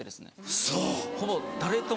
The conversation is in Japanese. ウソ。